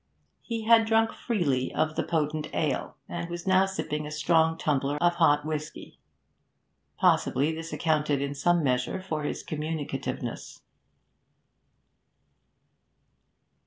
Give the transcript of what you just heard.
He had drunk freely of the potent ale, and was now sipping a strong tumbler of hot whisky. Possibly this accounted in some measure for his communicativeness.